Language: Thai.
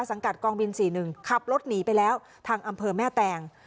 สังกัดกองบิน๔๑ขับรถหนีไปแล้วทางอำเภอแม่แตง